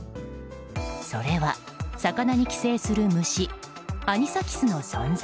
それは、魚に寄生する虫アニサキスの存在。